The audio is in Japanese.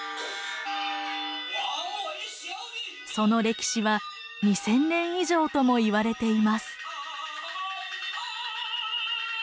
その歴史は２，０００年以上ともいわれています。